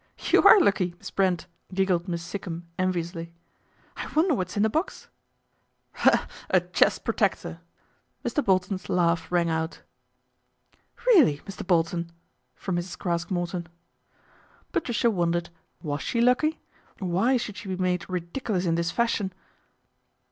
"You are lucky, Miss Brent," giggled Miss Sikkum enviously. "I wonder what's in the box." "A chest protector," Mr. Bolton's laugh rang out. "Really, Mr. Bolton!" from Mrs. Craske Morton. Patricia wondered was she lucky? Why should she be made ridiculous in this fashion?